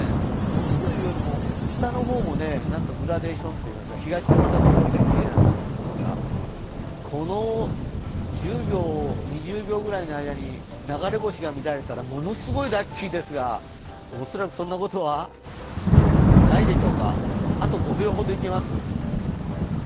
星というよりも下の方もグラデーションといいますか、日が沈んだところできれいな感じがしますが、この１０秒、２０秒ぐらいの間に流れ星が見られたらものすごいラッキーですが恐らくそんなことはないでしょうか？